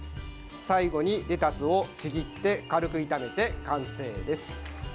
最後にレタスをちぎって軽く炒めて完成です。